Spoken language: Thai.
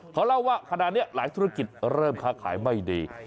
เขาเล่าว่าขณะนี้หลายธุรกิจเริ่มค้าขายไม่ดี